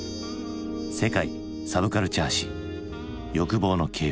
「世界サブカルチャー史欲望の系譜」。